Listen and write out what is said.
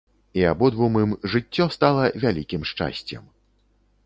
І абодвум ім жыццё стала вялікім шчасцем.